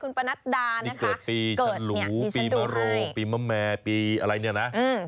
คุณปนัดดาเนี่ยเกิดปีฉลูปีมโรปีมะแม่ปีอะไรเนี่ยนะ